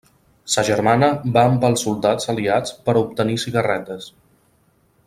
Sa germana va amb els soldats aliats per a obtenir cigarretes.